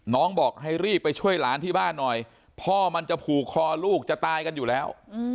บอกให้รีบไปช่วยหลานที่บ้านหน่อยพ่อมันจะผูกคอลูกจะตายกันอยู่แล้ว